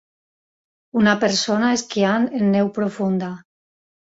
Una persona esquiant en neu profunda.